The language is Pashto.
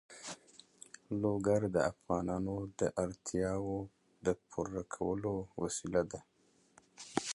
لوگر د افغانانو د اړتیاوو د پوره کولو وسیله ده.